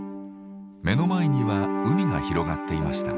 目の前には海が広がっていました。